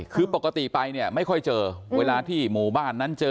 คือปกติไปเนี่ยไม่ค่อยเจอเวลาที่หมู่บ้านนั้นเจอ